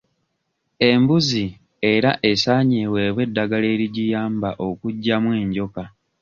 Embuzi era esaanye eweebwe eddagala erigiyamba okuggyamu enjoka.